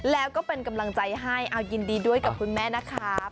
แล้วก็เป็นกำลังใจให้เอายินดีด้วยกับคุณแม่นะครับ